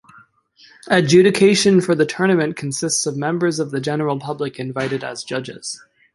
Adjudication for the tournament consists of members of the general public invited as judges.